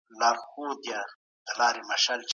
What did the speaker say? تاجکو وروڼو لخوا چي کوم انتقادونه سوي دي، که